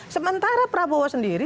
sementara prabowo sendiri